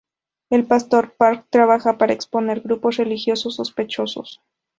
El pastor Park trabaja para exponer grupos religiosos sospechosos.